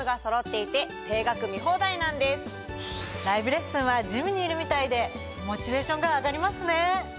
ライブレッスンはジムにいるみたいでモチベーションが上がりますね。